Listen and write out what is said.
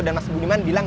dan mas budiman bilang